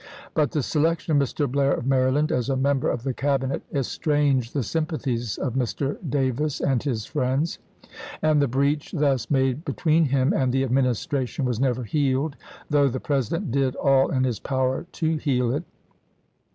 But the selection of Mr. Blair of Maryland as a member of the Cabinet estranged the sym pathies of Mr. Davis and his friends ; and the breach thus made between him and the Administration was never healed, though the President did all in his power to heal it.